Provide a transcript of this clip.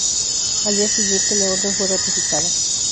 Al día siguiente, la orden fue ratificada.